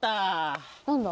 何だ？